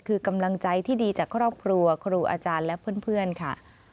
คือกำลังใจที่ดีจากครอบครัวครูอาจารย์และเพื่อนค่ะ